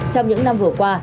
trong những năm vừa qua